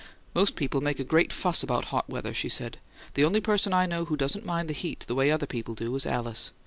"Most people make a great fuss about hot weather," she said. "The only person I know who doesn't mind the heat the way other people do is Alice.